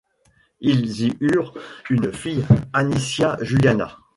Ils y eurent une fille, Anicia Juliana.